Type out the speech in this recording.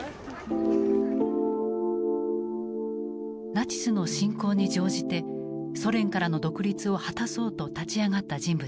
ナチスの侵攻に乗じてソ連からの独立を果たそうと立ち上がった人物がいた。